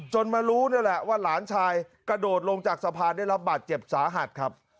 มารู้นี่แหละว่าหลานชายกระโดดลงจากสะพานได้รับบาดเจ็บสาหัสครับ